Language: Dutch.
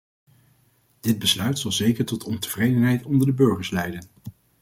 Dit besluit zal zeker tot ontevredenheid onder de burgers leiden.